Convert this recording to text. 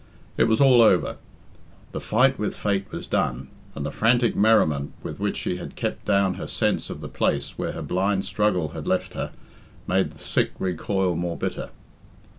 It was all over. The fight with Fate was done, and the frantic merriment with which she had kept down her sense of the place where the blind struggle had left her made the sick recoil more bitter.